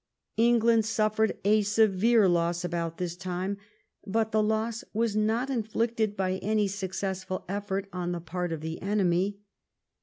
England suffered a severe loss about this time, but the loss was not inflicted by any successful effort on the part of the enemy.